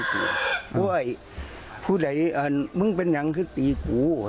เพราะให้พูดให้มึงเป็นตีกู